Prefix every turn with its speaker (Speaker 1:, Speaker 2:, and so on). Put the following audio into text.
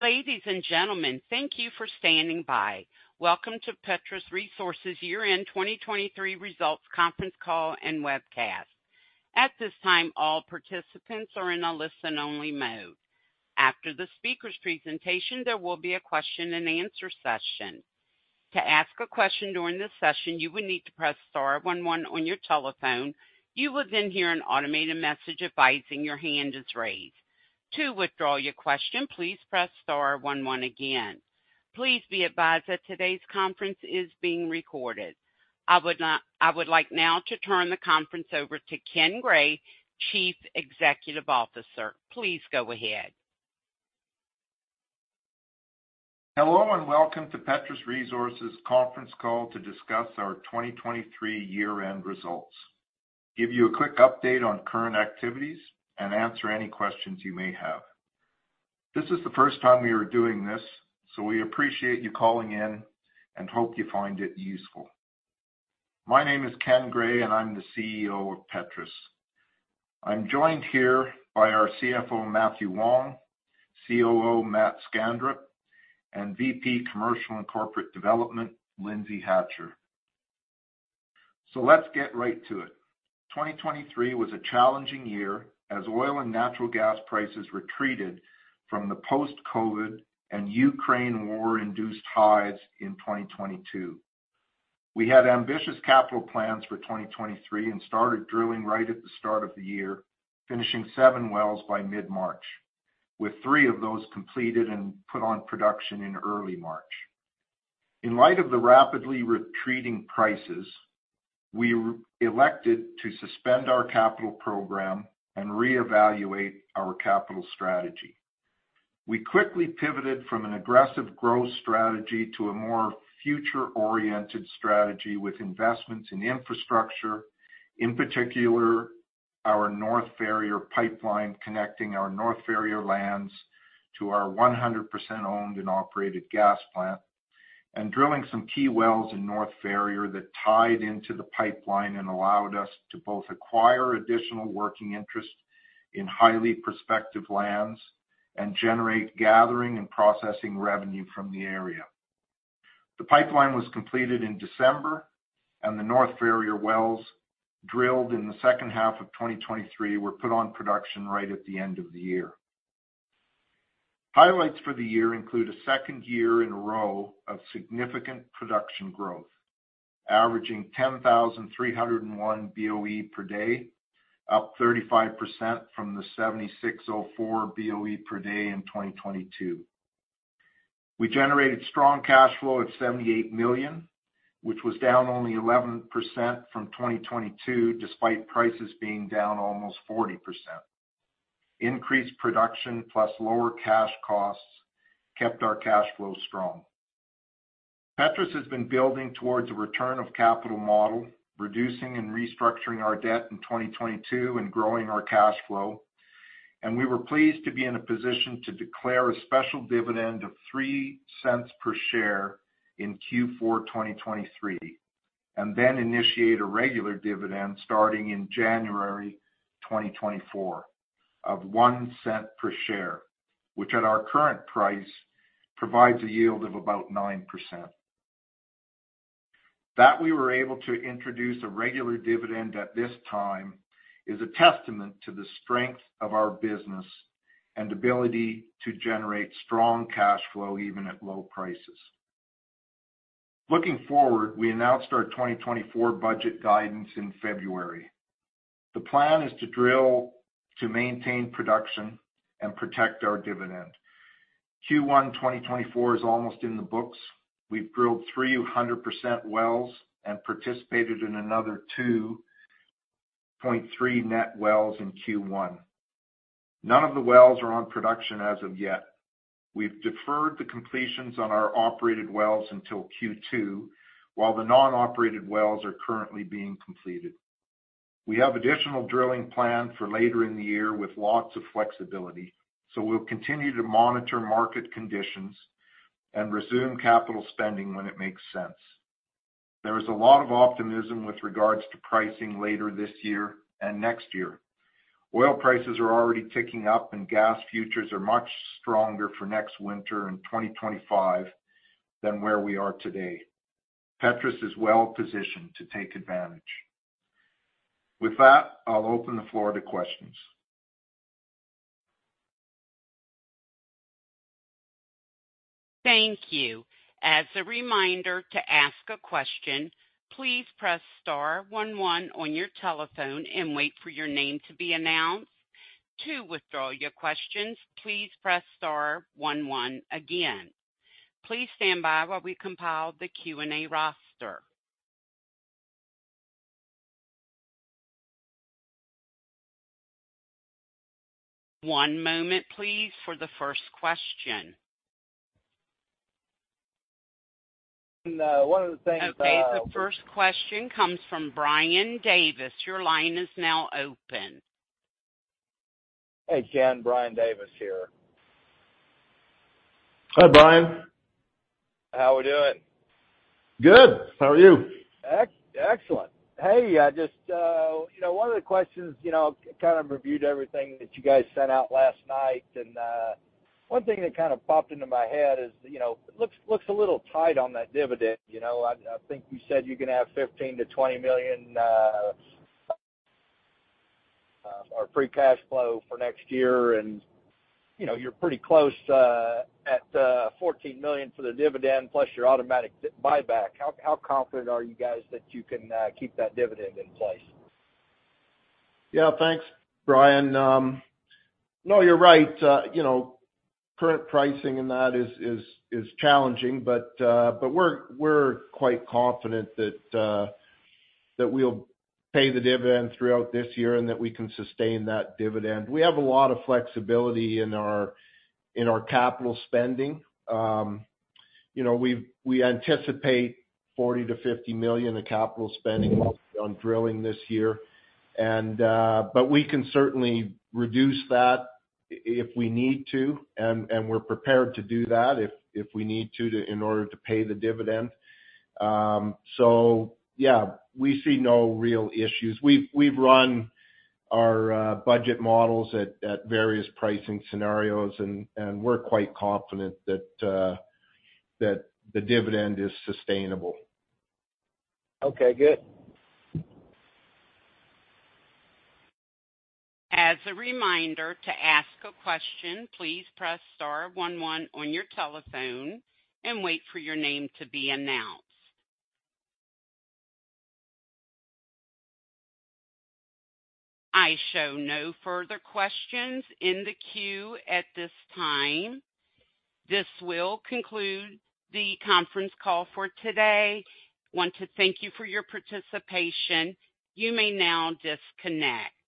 Speaker 1: Ladies and gentlemen, thank you for standing by. Welcome to Petrus Resources Year-End 2023 Results Conference Call and Webcast. At this time, all participants are in a listen-only mode. After the speaker's presentation, there will be a question-and-answer session. To ask a question during this session, you would need to press star one one on your telephone. You would then hear an automated message advising your hand is raised. To withdraw your question, please press star one one again. Please be advised that today's conference is being recorded. I would like now to turn the conference over to Ken Gray, Chief Executive Officer. Please go ahead.
Speaker 2: Hello and welcome to Petrus Resources Conference Call to discuss our 2023 year-end results, give you a quick update on current activities, and answer any questions you may have. This is the first time we are doing this, so we appreciate you calling in and hope you find it useful. My name is Ken Gray, and I'm the CEO of Petrus. I'm joined here by our CFO Mathew Wong, COO Matt Skanderup, and VP Commercial and Corporate Development Lindsay Hatcher. So let's get right to it. 2023 was a challenging year as oil and natural gas prices retreated from the post-COVID and Ukraine war-induced highs in 2022. We had ambitious capital plans for 2023 and started drilling right at the start of the year, finishing seven wells by mid-March, with three of those completed and put on production in early March. In light of the rapidly retreating prices, we elected to suspend our capital program and reevaluate our capital strategy. We quickly pivoted from an aggressive growth strategy to a more future-oriented strategy with investments in infrastructure, in particular our North Ferrier pipeline connecting our North Ferrier lands to our 100% owned and operated gas plant, and drilling some key wells in North Ferrier that tied into the pipeline and allowed us to both acquire additional working interest in highly prospective lands and generate gathering and processing revenue from the area. The pipeline was completed in December, and the North Ferrier wells drilled in the second half of 2023 were put on production right at the end of the year. Highlights for the year include a second year in a row of significant production growth, averaging 10,301 boe per day, up 35% from the 7,604 boe per day in 2022. We generated strong cash flow of 78 million, which was down only 11% from 2022 despite prices being down almost 40%. Increased production plus lower cash costs kept our cash flow strong. Petrus has been building towards a return of capital model, reducing and restructuring our debt in 2022 and growing our cash flow. We were pleased to be in a position to declare a special dividend of 0.03 per share in Q4 2023 and then initiate a regular dividend starting in January 2024 of 0.01 per share, which at our current price provides a yield of about 9%. That we were able to introduce a regular dividend at this time is a testament to the strength of our business and ability to generate strong cash flow even at low prices. Looking forward, we announced our 2024 budget guidance in February. The plan is to drill to maintain production and protect our dividend. Q1 2024 is almost in the books. We've drilled 3.00 net wells and participated in another 2.3 net wells in Q1. None of the wells are on production as of yet. We've deferred the completions on our operated wells until Q2, while the non-operated wells are currently being completed. We have additional drilling planned for later in the year with lots of flexibility, so we'll continue to monitor market conditions and resume capital spending when it makes sense. There is a lot of optimism with regards to pricing later this year and next year. Oil prices are already ticking up, and gas futures are much stronger for next winter in 2025 than where we are today. Petrus is well positioned to take advantage. With that, I'll open the floor to questions.
Speaker 1: Thank you. As a reminder to ask a question, please press star one one on your telephone and wait for your name to be announced. To withdraw your questions, please press star one one again. Please stand by while we compile the Q&A roster. One moment, please, for the first question.
Speaker 3: One of the things that.
Speaker 1: Okay. The first question comes from Brian Davis. Your line is now open.
Speaker 3: Hey, Ken. Brian Davis here.
Speaker 2: Hi, Brian.
Speaker 3: How we doing?
Speaker 2: Good. How are you?
Speaker 3: Excellent. Hey, just one of the questions kind of reviewed everything that you guys sent out last night. One thing that kind of popped into my head is it looks a little tight on that dividend. I think you said you're going to have 15 million-20 million of free cash flow for next year, and you're pretty close at 14 million for the dividend plus your automatic buyback. How confident are you guys that you can keep that dividend in place?
Speaker 2: Yeah. Thanks, Brian. No, you're right. Current pricing and that is challenging, but we're quite confident that we'll pay the dividend throughout this year and that we can sustain that dividend. We have a lot of flexibility in our capital spending. We anticipate 40 million-50 million of capital spending on drilling this year, but we can certainly reduce that if we need to, and we're prepared to do that if we need to in order to pay the dividend. So yeah, we see no real issues. We've run our budget models at various pricing scenarios, and we're quite confident that the dividend is sustainable.
Speaker 3: Okay. Good.
Speaker 1: As a reminder to ask a question, please press star one one on your telephone and wait for your name to be announced. I show no further questions in the queue at this time. This will conclude the conference call for today. Want to thank you for your participation. You may now disconnect.